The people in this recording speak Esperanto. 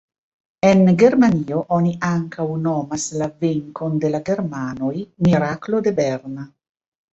En Germanio oni ankaŭ nomas la venkon de la germanoj "Miraklo de Bern".